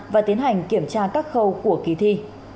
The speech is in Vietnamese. và tiến hành kiểm tra các khâu của kỳ thi